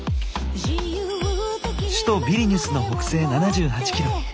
首都ヴィリニュスの北西７８キロ。